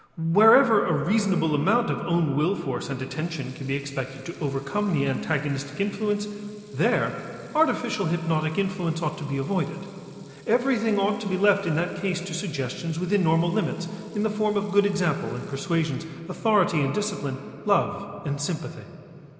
Wherever a reasonable amount of own will force and attention can be expected to overcome the antagonistic influence, there artificial hypnotic influence ought to be avoided. Everything ought to be left in that case to suggestions within normal limits, in the form of good example and persuasions, authority and discipline, love and sympathy.